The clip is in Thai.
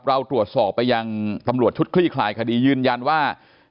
เราตรวจสอบไปยังตำรวจชุดคลี่คลายคดียืนยันว่า